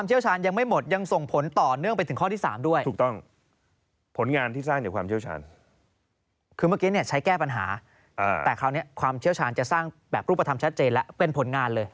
แต่คราวนี้ความเชี่ยวชาญจะสร้างแบบรูปภัณฑ์ชัดเจนแล้วเป็นผลงานเลย